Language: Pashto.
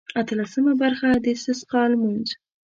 اتلسمه برخه د استسقا لمونځ.